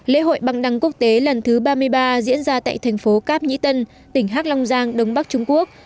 lễ hội băng đăng quốc tế lần thứ ba mươi ba diễn ra tại thành phố cap nhi tân tỉnh hạc long giang đông bắc trung quốc